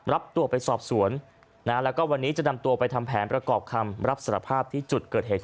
รับตัวไปสอบสวนแล้วก็วันนี้จะนำตัวไปทำแผนประกอบคำรับสารภาพที่จุดเกิดเหตุ